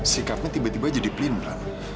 sikapnya tiba tiba jadi pelin